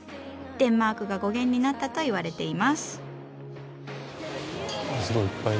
デンマークが語源になったと言われています。